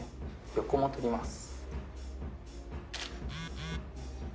横も撮ります。